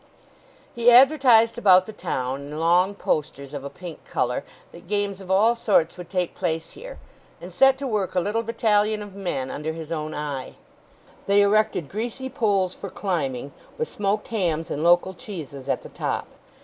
He advertised about the town, in long posters of a pink colour, that games of all sorts would take place here; and set to work a little battalion of men under his own eye. They erected greasy poles for climbing, with smoked hams and local cheeses at the top.